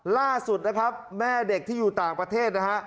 ล่าสุดนะครับแม่เด็กที่อยู่ต่างประเทศนะฮะ